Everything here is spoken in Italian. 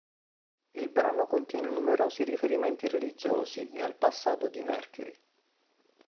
Il brano contiene numerosi riferimenti religiosi e al passato di Mercury.